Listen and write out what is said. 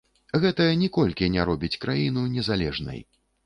Гэта ніколькі не робіць краіну незалежнай.